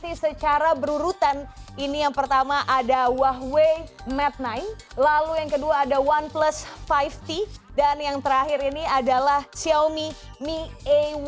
jadi secara berurutan ini yang pertama ada huawei mate sembilan lalu yang kedua ada oneplus lima t dan yang terakhir ini adalah xiaomi mi a satu